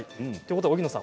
荻野さん